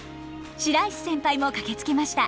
白石先輩も駆けつけました。